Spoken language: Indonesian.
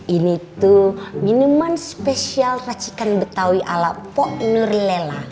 ini tuh minuman spesial racikan betawi ala pock nurlela